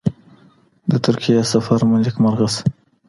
د ترکیې سفر مو نیکمرغه شه.